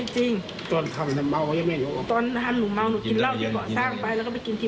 อีกครั้ง๓๑เมตรจำนวนแข้งเป็นบินนรร